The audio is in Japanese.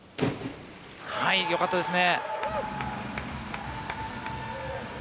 はい、よかったですね。